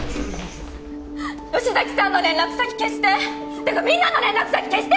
吉崎さんの連絡先消して！ってかみんなの連絡先消して！